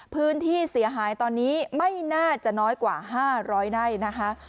พื้นที่เสียหายตอนนี้ไม่น่าจะน้อยกว่า๕๐๐ไร่นะคะ